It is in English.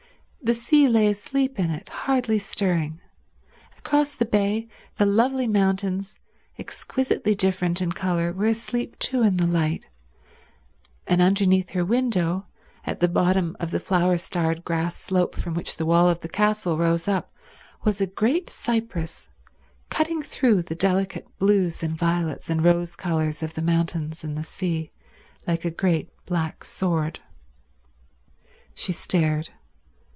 The sea lay asleep in it, hardly stirring. Across the bay the lovely mountains, exquisitely different in colour, were asleep too in the light; and underneath her window, at the bottom of the flower starred grass slope from which the wall of the castle rose up, was a great cypress, cutting through the delicate blues and violets and rose colours of the mountains and the sea like a great black sword. She stared.